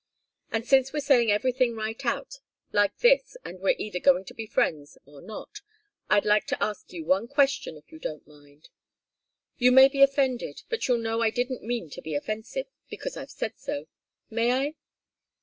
And since we're saying everything right out, like this, and we're either going to be friends or not I'd like to ask you one question, if you don't mind. You may be offended, but you'll know I didn't mean to be offensive, because I've said so. May I?"